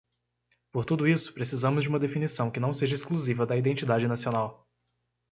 Por tudo isso, precisamos de uma definição que não seja exclusiva da identidade nacional.